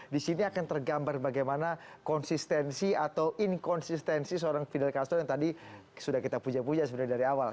di sini akan tergambar bagaimana konsistensi atau inkonsistensi seorang fidel castle yang tadi sudah kita puja puja sebenarnya dari awal